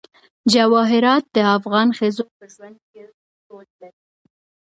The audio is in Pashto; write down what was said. جواهرات د افغان ښځو په ژوند کې رول لري.